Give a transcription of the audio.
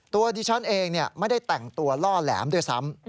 ตัวดิฉันเองไม่ได้แต่งตัวล่อแหลมด้วยซ้ำ